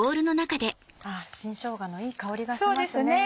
新しょうがのいい香りがしますね。